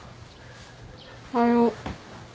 おはよう。